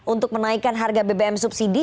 untuk menaikkan harga bbm subsidi